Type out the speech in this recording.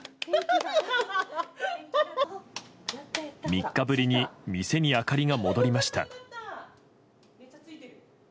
３日ぶりに店に明かりが戻りました。